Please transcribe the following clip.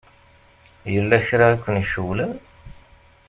Yella kra i ken-icewwlen?